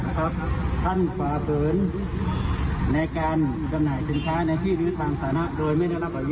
ฆ่านั่งค้าภัยอาวิจัยอาวิจัยอาวิจัยอาวิจัย